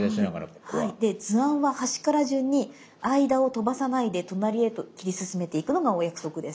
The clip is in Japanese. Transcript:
で図案は端から順に間を飛ばさないで隣へと切り進めていくのがお約束です。